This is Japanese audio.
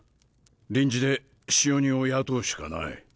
臨時で使用人を雇うしかない。